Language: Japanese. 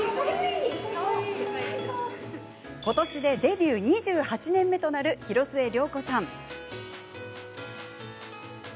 ことしでデビュー２８年目となる広末涼子さん。